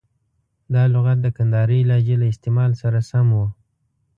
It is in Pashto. دا لغت د کندهارۍ لهجې له استعمال سره سم و.